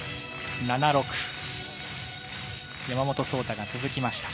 山本草太が続きました。